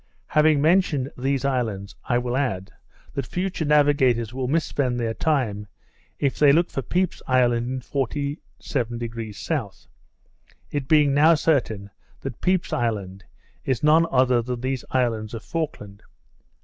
Having mentioned these islands, I will add, that future navigators will mis spend their time, if they look for Pepy's Island in 47° S.; it being now certain, that Pepy's Island is no other than these islands of Falkland.